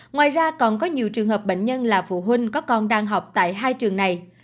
ngoài ra còn có nhiều trường hợp bệnh nhân là phụ huynh có con đang học tại hai trường này